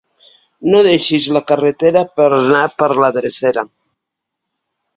No deixis la carretera per anar per la drecera.